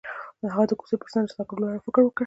هغه د کوڅه پر څنډه ساکت ولاړ او فکر وکړ.